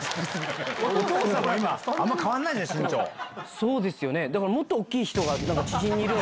そうですよね。